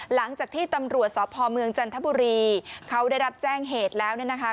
หลังจากที่ตำรวจสพเมืองจันทบุรีเขาได้รับแจ้งเหตุแล้วเนี่ยนะคะ